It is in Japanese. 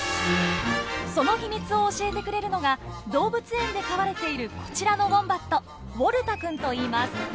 その秘密を教えてくれるのが動物園で飼われているこちらのウォンバット「ウォルタくん」といいます。